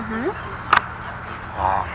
kamu kenal semua orang ini